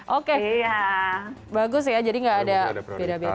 oke bagus ya jadi tidak ada perbedaan